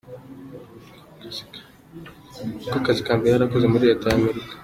Ni ko kazi ka mbere yari akoze muri leta y'Amerika.